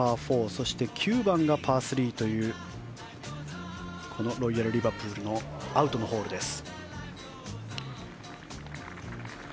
そして９番がパー３というこのロイヤルリバプールのアウトのホールです。